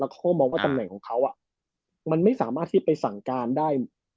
เขาก็มองว่าตำแหน่งของเขามันไม่สามารถที่จะไปสั่งการได้